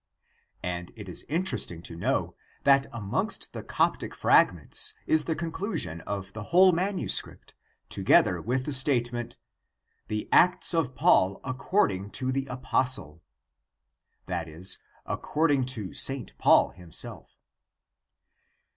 And it is interesting to know that amongst the Coptic fragments is the conclusion of the whole MS. together with the statement; "The Acts of Paul according to the Apostle," i.e. according to St. Paul himself.